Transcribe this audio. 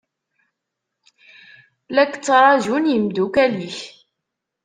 La k-ttṛaǧun imeddukal-ik.